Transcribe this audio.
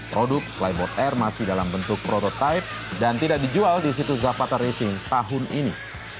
produk flyboard air masih dalam bentuk prototipe dan tidak dijual di situ zafata racing tahun ini